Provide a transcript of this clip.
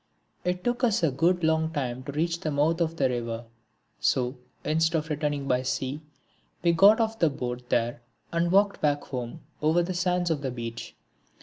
It took us a good long time to reach the mouth of the river, so, instead of returning by sea, we got off the boat there and walked back home over the sands of the beach.